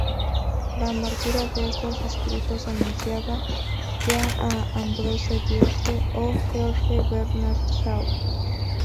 La amargura de estos escritos anunciaba ya a Ambrose Bierce o George Bernard Shaw.